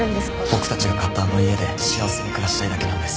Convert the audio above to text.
僕たちが買ったあの家で幸せに暮らしたいだけなんです。